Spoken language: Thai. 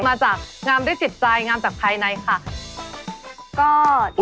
มาจากงามได้สิทธิ์ใจงามจากภายในค่ะ